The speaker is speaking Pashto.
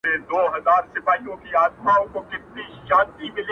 د ابوجهل د غرور په اجاره ختلی!